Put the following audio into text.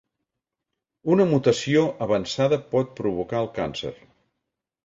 Una mutació avançada pot provocar el càncer.